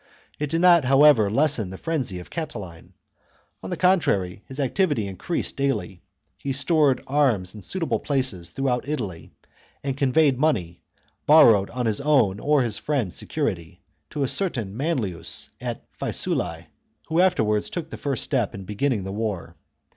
It did not, however, lessen the frenzy of Catiline ; on the contrary, his activity increased daily, he stored arms in suitable places throughout Italy, and conveyed money, borrowed on his own or his friends' security, to a certain Manlius at Faesulae, who afterwards took the first step in beginning the war.